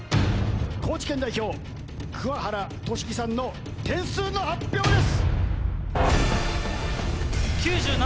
高知県代表桑原俊樹さんの点数の発表です！